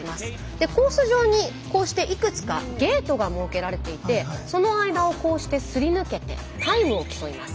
でコース上にこうしていくつかゲートが設けられていてその間をこうしてすり抜けてタイムを競います。